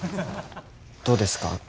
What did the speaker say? どうですか？